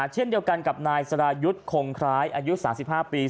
เช่นเดียวกันกับนายสรายุทธ์คงคล้ายอายุ๓๕ปี